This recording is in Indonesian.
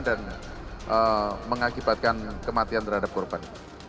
dan mengakibatkan kematian terhadap korban